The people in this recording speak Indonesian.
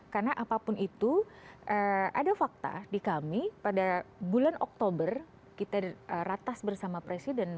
karena apapun itu ada fakta di kami pada bulan oktober kita ratas bersama presiden